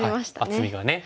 厚みがね